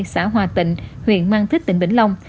xã hòa tỉnh huyện mang thích tỉnh bỉnh long